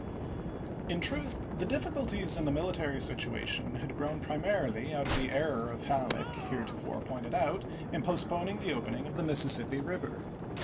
In truth the difficulties in the military situation had grown primarily out of the error of Halleck heretofore pointed out in postponing the opening of the Mississippi River.